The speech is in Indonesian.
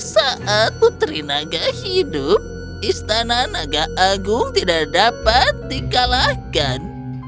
saat putri naga hidup istana naga agung tidak dapat dikalahkan